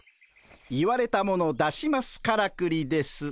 「言われたもの出しますからくり」です。